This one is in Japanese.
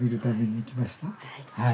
はい。